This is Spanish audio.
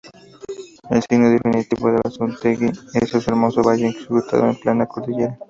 El signo distintivo de Anzoátegui es su hermoso valle incrustado en plena Cordillera.